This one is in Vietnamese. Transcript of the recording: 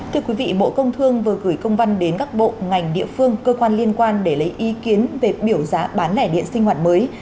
thưa quý vị bộ công thương vừa gửi công văn đến các bộ ngành địa phương cơ quan liên quan để lấy ý kiến về biểu giá bán lẻ điện sinh hoạt mới